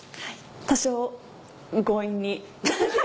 多少強引に。